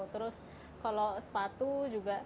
terus kalau sepatu juga